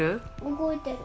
動いてる。